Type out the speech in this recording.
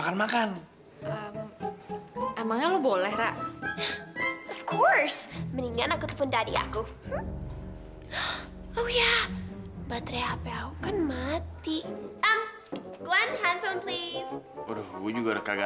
sampai jumpa di video selanjutnya